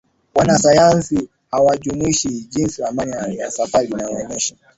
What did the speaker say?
Wanasayansi hawajui Jinsi Ramani ya safari inayoonyesha